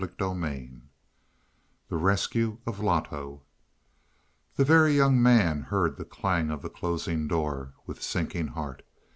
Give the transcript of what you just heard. CHAPTER XXXIII THE RESCUE OF LOTO The Very Young Man heard the clang of the closing door with sinking heart.